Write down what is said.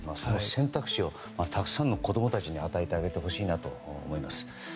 選択肢をたくさんの子供たちに与えてあげてほしいと思います。